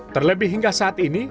terlebih hingga saat ini